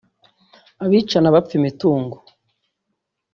abicana bapfa imitungo